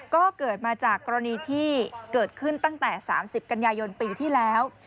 ก็เกิดมาจากกรณีที่เกิดขึ้นตั้งแต่๓๐กันยายนปีที่แล้ว